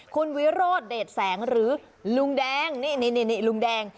คุณวิโรธเดชแสงหรือลุงแดงนี่ลุงแดง